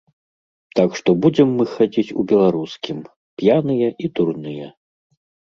Так што будзем мы хадзіць у беларускім, п'яныя і дурныя.